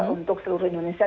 untuk seluruh indonesia